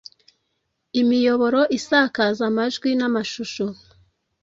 Imiyoboro isakaza amajwi n amashusho